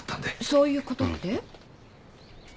そういうことって？